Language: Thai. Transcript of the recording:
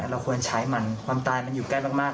เราควรใช้มันความตายมันอยู่ใกล้มาก